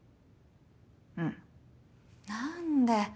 うん。何で？